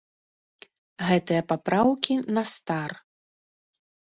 Гэтыя папраўкі на стар.